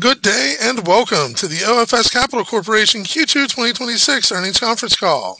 Good day, and welcome to the OFS Capital Corporation Q2 2026 earnings conference call.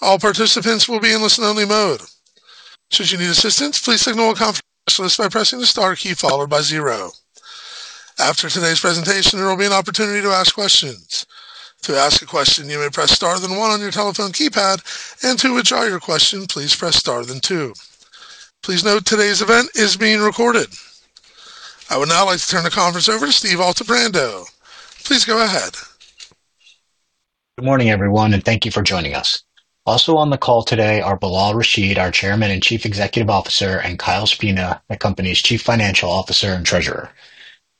All participants will be in listen-only mode. Should you need assistance, please signal a conference host by pressing the star key followed by zero. After today's presentation, there will be an opportunity to ask questions. To ask a question, you may press star then one on your telephone keypad, and to withdraw your question, please press star then two. Please note today's event is being recorded. I would now like to turn the conference over to Steve Altebrando. Please go ahead. Good morning, everyone, and thank you for joining us. Also on the call today are Bilal Rashid, our Chairman and Chief Executive Officer, and Kyle Spina, the company's Chief Financial Officer and Treasurer.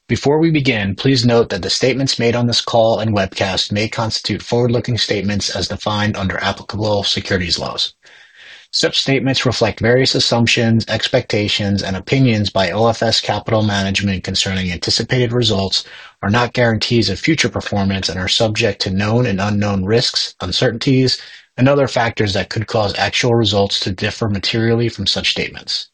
Before we begin, please note that the statements made on this call and webcast may constitute forward-looking statements as defined under applicable securities laws. Such statements reflect various assumptions, expectations, and opinions by OFS Capital Management concerning anticipated results, are not guarantees of future performance, and are subject to known and unknown risks, uncertainties, and other factors that could cause actual results to differ materially from such statements.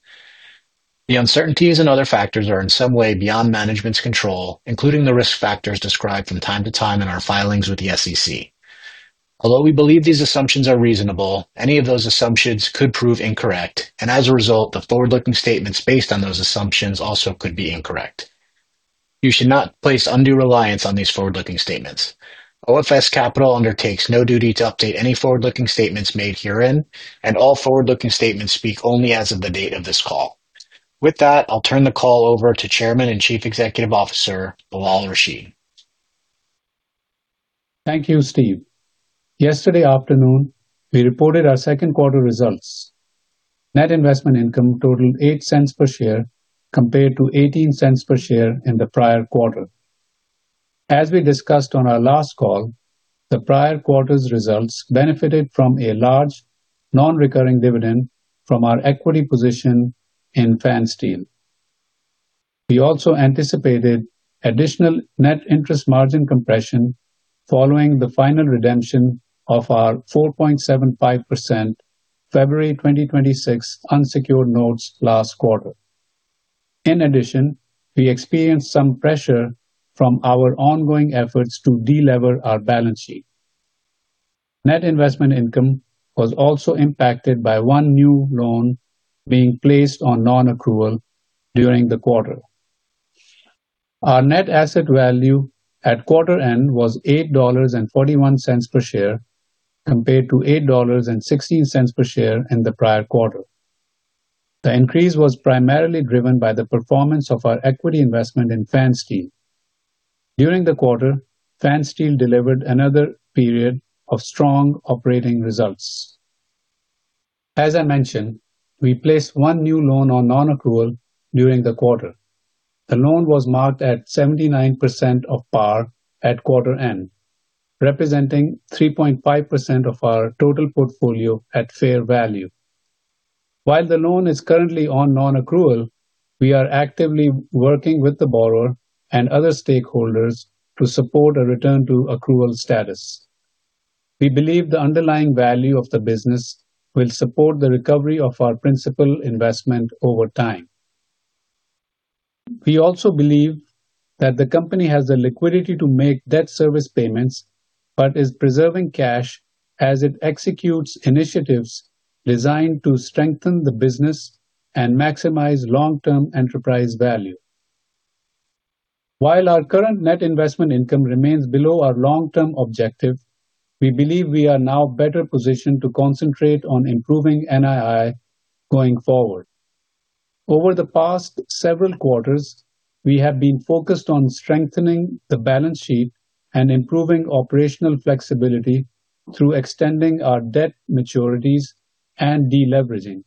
The uncertainties and other factors are in some way beyond management's control, including the risk factors described from time to time in our filings with the SEC. Although we believe these assumptions are reasonable, any of those assumptions could prove incorrect, and as a result, the forward-looking statements based on those assumptions also could be incorrect. You should not place undue reliance on these forward-looking statements. OFS Capital undertakes no duty to update any forward-looking statements made herein, and all forward-looking statements speak only as of the date of this call. With that, I'll turn the call over to Chairman and Chief Executive Officer, Bilal Rashid. Thank you, Steve. Yesterday afternoon, we reported our second quarter results. Net investment income totaled $0.08 per share compared to $0.18 per share in the prior quarter. As we discussed on our last call, the prior quarter's results benefited from a large non-recurring dividend from our equity position in Pfanstiehl. We also anticipated additional net interest margin compression following the final redemption of our 4.75% February 2026 unsecured notes last quarter. In addition, we experienced some pressure from our ongoing efforts to de-lever our balance sheet. Net investment income was also impacted by one new loan being placed on non-accrual during the quarter. Our net asset value at quarter end was $8.41 per share, compared to $8.16 per share in the prior quarter. The increase was primarily driven by the performance of our equity investment in Pfanstiehl. During the quarter, Pfanstiehl delivered another period of strong operating results. As I mentioned, we placed one new loan on non-accrual during the quarter. The loan was marked at 79% of par at quarter end, representing 3.5% of our total portfolio at fair value. While the loan is currently on non-accrual, we are actively working with the borrower and other stakeholders to support a return to accrual status. We believe the underlying value of the business will support the recovery of our principal investment over time. We also believe that the company has the liquidity to make debt service payments but is preserving cash as it executes initiatives designed to strengthen the business and maximize long-term enterprise value. While our current net investment income remains below our long-term objective, we believe we are now better positioned to concentrate on improving NII going forward. Over the past several quarters, we have been focused on strengthening the balance sheet and improving operational flexibility through extending our debt maturities and de-leveraging.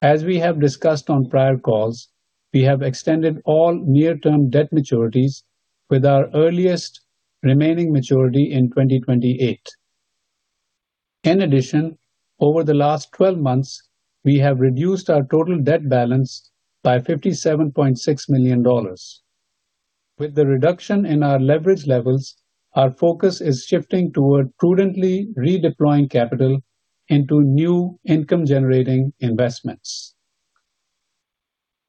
As we have discussed on prior calls, we have extended all near-term debt maturities with our earliest remaining maturity in 2028. In addition, over the last 12 months, we have reduced our total debt balance by $57.6 million. With the reduction in our leverage levels, our focus is shifting toward prudently redeploying capital into new income-generating investments.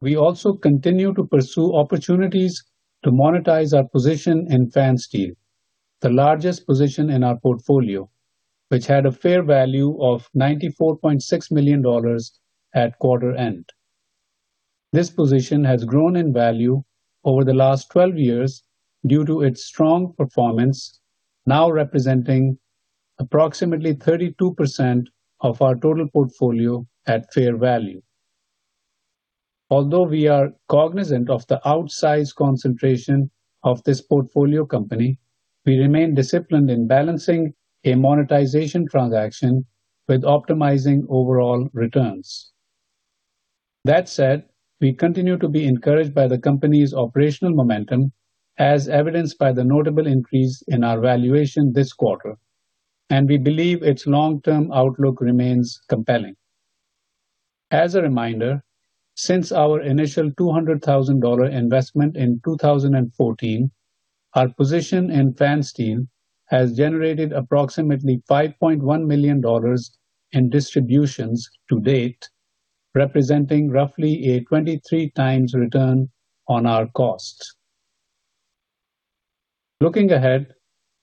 We also continue to pursue opportunities to monetize our position in Pfanstiehl, the largest position in our portfolio, which had a fair value of $94.6 million at quarter end. This position has grown in value over the last 12 years due to its strong performance, now representing approximately 32% of our total portfolio at fair value. Although we are cognizant of the outsized concentration of this portfolio company, we remain disciplined in balancing a monetization transaction with optimizing overall returns. That said, we continue to be encouraged by the company's operational momentum, as evidenced by the notable increase in our valuation this quarter, and we believe its long-term outlook remains compelling. As a reminder, since our initial $200,000 investment in 2014, our position in Pfanstiehl has generated approximately $5.1 million in distributions to date, representing roughly a 23 times return on our cost. Looking ahead,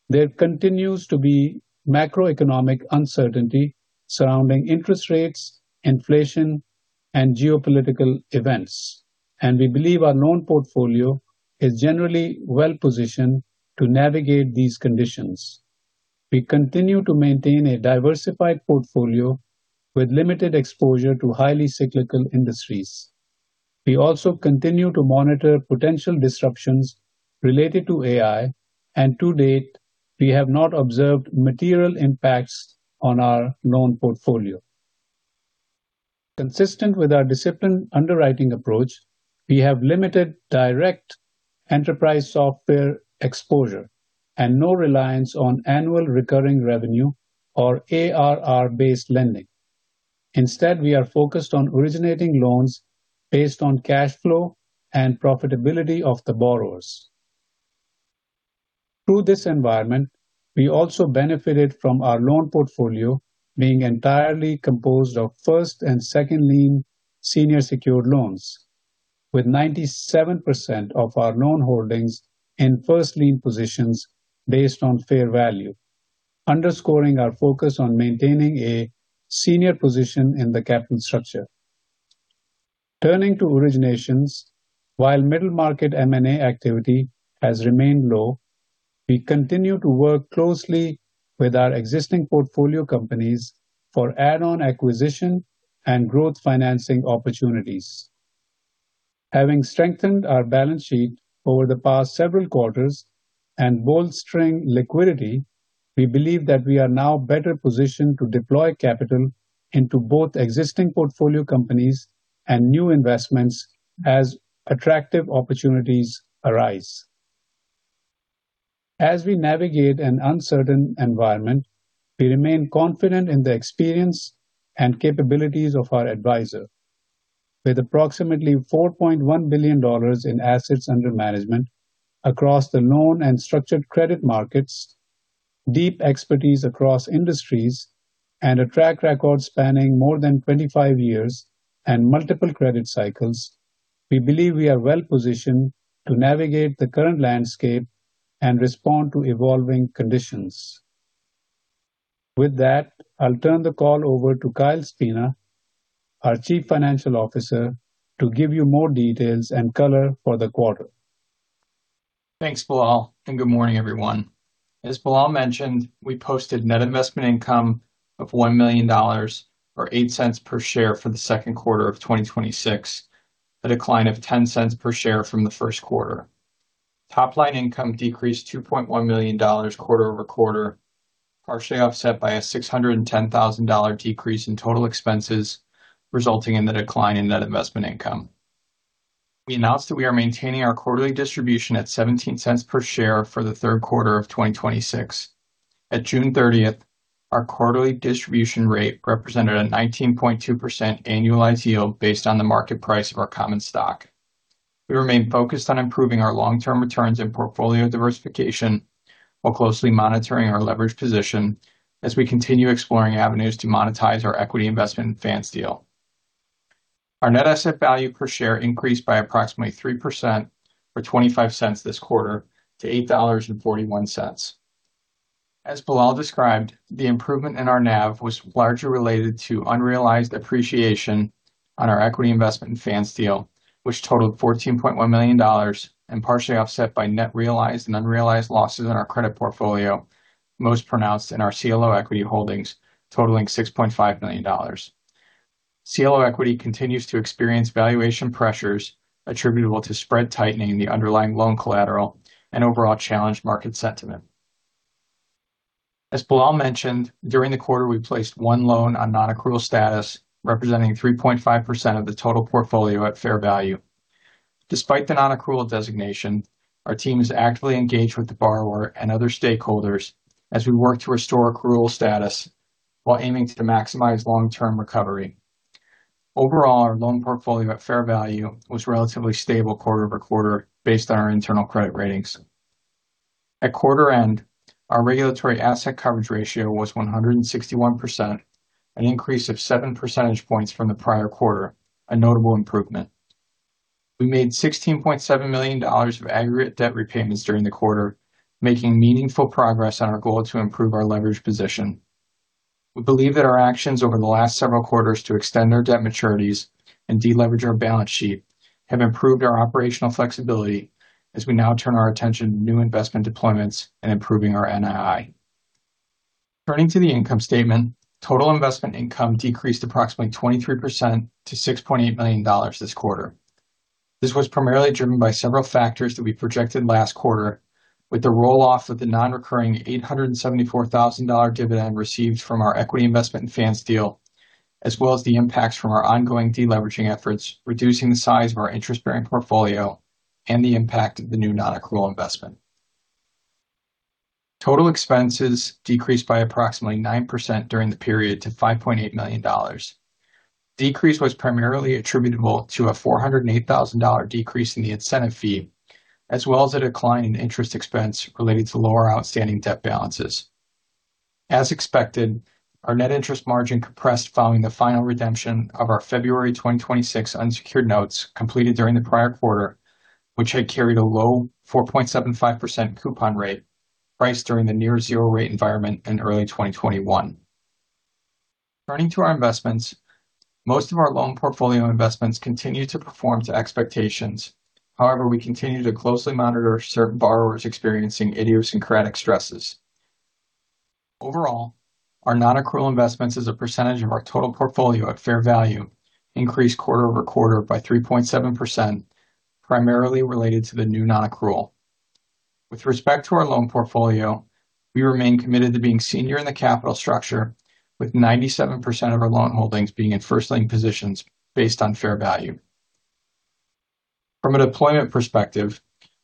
there continues to be macroeconomic uncertainty surrounding interest rates, inflation, and geopolitical events, and we believe our loan portfolio is generally well-positioned to navigate these conditions. We continue to maintain a diversified portfolio with limited exposure to highly cyclical industries. We also continue to monitor potential disruptions related to AI, and to date, we have not observed material impacts on our loan portfolio. Consistent with our disciplined underwriting approach, we have limited direct enterprise software exposure and no reliance on annual recurring revenue or ARR-based lending. Instead, we are focused on originating loans based on cash flow and profitability of the borrowers. Through this environment, we also benefited from our loan portfolio being entirely composed of first and second lien senior secured loans. With 97% of our loan holdings in first lien positions based on fair value, underscoring our focus on maintaining a senior position in the capital structure. Turning to originations, while middle market M&A activity has remained low, we continue to work closely with our existing portfolio companies for add-on acquisition and growth financing opportunities. Having strengthened our balance sheet over the past several quarters and bolstering liquidity, we believe that we are now better positioned to deploy capital into both existing portfolio companies and new investments as attractive opportunities arise. As we navigate an uncertain environment, we remain confident in the experience and capabilities of our advisor. With approximately $4.1 billion in assets under management across the loan and structured credit markets, deep expertise across industries, and a track record spanning more than 25 years and multiple credit cycles, we believe we are well-positioned to navigate the current landscape and respond to evolving conditions. With that, I'll turn the call over to Kyle Spina, our chief financial officer, to give you more details and color for the quarter. Thanks, Bilal, good morning, everyone. As Bilal mentioned, we posted net investment income of $1 million, or $0.08 per share for the second quarter of 2026, a decline of $0.10 per share from the first quarter. Top line income decreased $2.1 million quarter-over-quarter, partially offset by a $610,000 decrease in total expenses, resulting in the decline in net investment income. We announced that we are maintaining our quarterly distribution at $0.17 per share for the third quarter of 2026. At June 30th, our quarterly distribution rate represented a 19.2% annualized yield based on the market price of our common stock. We remain focused on improving our long-term returns and portfolio diversification while closely monitoring our leverage position as we continue exploring avenues to monetize our equity investment in Pfanstiehl. Our net asset value per share increased by approximately 3% or $0.25 this quarter to $8.41. As Bilal described, the improvement in our NAV was largely related to unrealized appreciation on our equity investment in Pfanstiehl, which totaled $14.1 million, and partially offset by net realized and unrealized losses in our credit portfolio, most pronounced in our CLO Equity holdings totaling $6.5 million. CLO Equity continues to experience valuation pressures attributable to spread tightening the underlying loan collateral and overall challenged market sentiment. As Bilal mentioned, during the quarter, we placed one loan on non-accrual status, representing 3.5% of the total portfolio at fair value. Despite the non-accrual designation, our team is actively engaged with the borrower and other stakeholders as we work to restore accrual status while aiming to maximize long-term recovery. Overall, our loan portfolio at fair value was relatively stable quarter-over-quarter based on our internal credit ratings. At quarter-end, our regulatory asset coverage ratio was 161%, an increase of 7 percentage points from the prior quarter, a notable improvement. We made $16.7 million of aggregate debt repayments during the quarter, making meaningful progress on our goal to improve our leverage position. We believe that our actions over the last several quarters to extend our debt maturities and deleverage our balance sheet have improved our operational flexibility as we now turn our attention to new investment deployments and improving our NII. Turning to the income statement, total investment income decreased approximately 23% to $6.8 million this quarter. This was primarily driven by several factors that we projected last quarter with the roll-off of the non-recurring $874,000 dividend received from our equity investment in Pfanstiehl, as well as the impacts from our ongoing deleveraging efforts, reducing the size of our interest-bearing portfolio and the impact of the new non-accrual investment. Total expenses decreased by approximately 9% during the period to $5.8 million. Decrease was primarily attributable to a $408,000 decrease in the incentive fee, as well as a decline in interest expense related to lower outstanding debt balances. As expected, our net interest margin compressed following the final redemption of our February 2026 unsecured notes completed during the prior quarter, which had carried a low 4.75% coupon rate priced during the near zero rate environment in early 2021. Turning to our investments, most of our loan portfolio investments continue to perform to expectations. However, we continue to closely monitor certain borrowers experiencing idiosyncratic stresses. Overall, our non-accrual investments as a percentage of our total portfolio at fair value increased quarter-over-quarter by 3.7%, primarily related to the new non-accrual. With respect to our loan portfolio, we remain committed to being senior in the capital structure with 97% of our loan holdings being in first lien positions based on fair value. From a deployment perspective,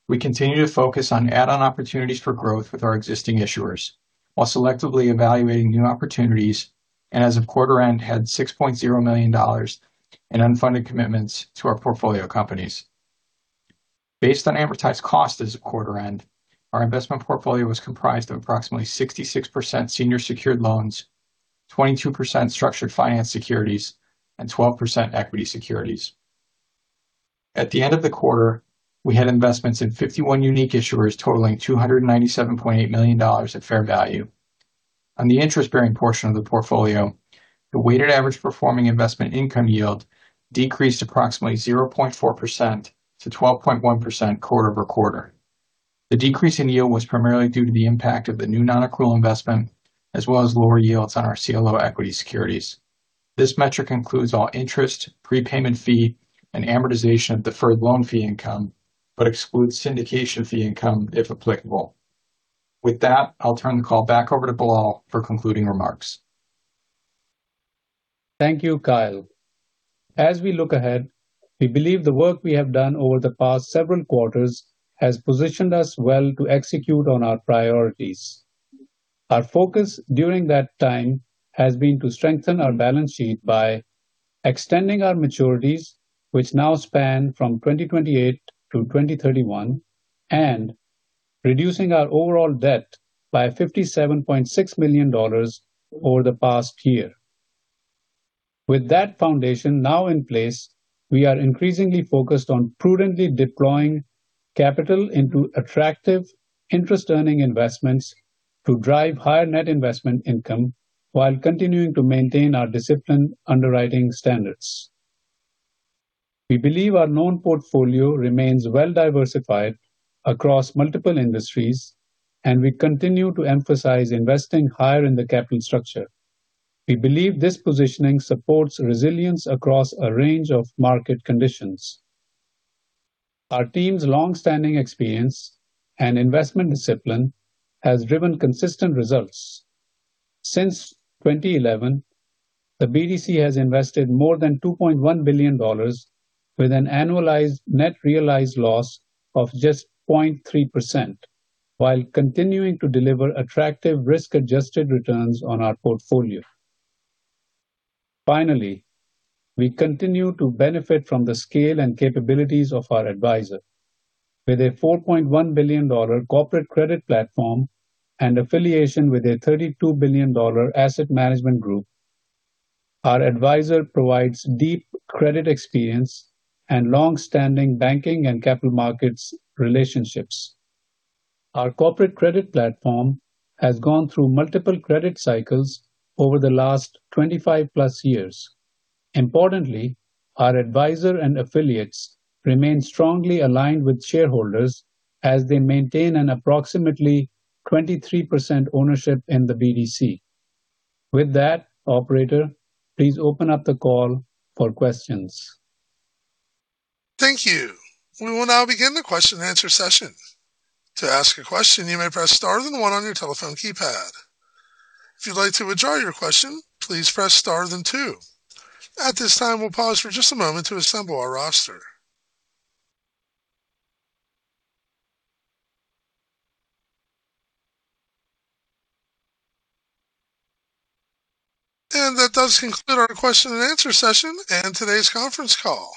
we continue to focus on add-on opportunities for growth with our existing issuers while selectively evaluating new opportunities, and as of quarter-end, had $6.0 million in unfunded commitments to our portfolio companies. Based on amortized cost as of quarter-end, our investment portfolio was comprised of approximately 66% senior secured loans, 22% structured finance securities, and 12% equity securities. At the end of the quarter, we had investments in 51 unique issuers totaling $297.8 million at fair value. On the interest-bearing portion of the portfolio, the weighted average performing investment income yield decreased approximately 0.4%-12.1% quarter-over-quarter. The decrease in yield was primarily due to the impact of the new non-accrual investment, as well as lower yields on our CLO equity securities. This metric includes all interest, prepayment fee, and amortization of deferred loan fee income, but excludes syndication fee income, if applicable. With that, I'll turn the call back over to Bilal for concluding remarks. Thank you, Kyle. As we look ahead, we believe the work we have done over the past several quarters has positioned us well to execute on our priorities. Our focus during that time has been to strengthen our balance sheet by extending our maturities, which now span from 2028-2031, and reducing our overall debt by $57.6 million over the past year. With that foundation now in place, we are increasingly focused on prudently deploying capital into attractive interest-earning investments to drive higher net investment income while continuing to maintain our disciplined underwriting standards. We believe our loan portfolio remains well-diversified across multiple industries, and we continue to emphasize investing higher in the capital structure. We believe this positioning supports resilience across a range of market conditions. Our team's longstanding experience and investment discipline has driven consistent results. Since 2011, the BDC has invested more than $2.1 billion with an annualized net realized loss of just 0.3% while continuing to deliver attractive risk-adjusted returns on our portfolio. We continue to benefit from the scale and capabilities of our advisor. With a $4.1 billion corporate credit platform and affiliation with a $32 billion asset management group, our advisor provides deep credit experience and longstanding banking and capital markets relationships. Our corporate credit platform has gone through multiple credit cycles over the last 25 plus years. Our advisor and affiliates remain strongly aligned with shareholders as they maintain an approximately 23% ownership in the BDC. Operator, please open up the call for questions. Thank you. We will now begin the Q&A session. To ask a question, you may press star then one on your telephone keypad. If you'd like to withdraw your question, please press star then two. At this time, we'll pause for just a moment to assemble our roster. That does conclude our question and answer session and today's conference call.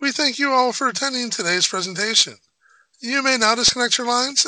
We thank you all for attending today's presentation. You may now disconnect your lines.